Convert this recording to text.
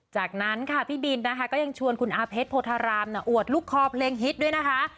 จากนั้นค่ะพี่บินนะคะก็ยังชวนคุณอาเพชรโพธารามอวดลูกคอเพลงฮิตด้วยนะคะ